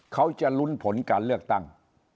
เขาจะลุ้นผลการเลือกตั้ง